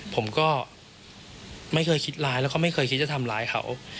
ผมก็ไม่เคยคิดร้ายแล้วก็ไม่เคยคิดจะทำร้ายเขา